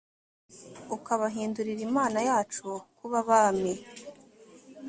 ukabahindurira imana yacu kuba abami